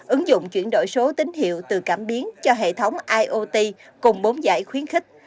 ứng dụng chuyển đổi số tín hiệu từ cảm biến cho hệ thống iot cùng bốn giải khuyến khích